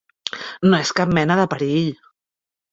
No és cap mena de perill.